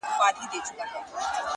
• پر لویانو کشرانو باندي گران وو,